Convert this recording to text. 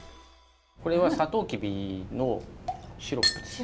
これはサトウキビのシロップです。